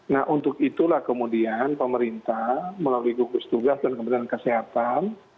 nah untuk itulah kemudian pemerintah melalui gugus tugas dan kementerian kesehatan